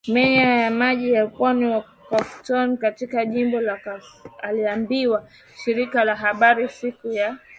Meya wa mji wa pwani wa Kafountine katika jimbo la Kasamance ameliambia shirika la habari siku ya Jumanne.